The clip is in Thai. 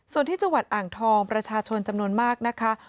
ส่วนที่จังหวัดอ่างทองประชาชนจำนวนมากนะคะ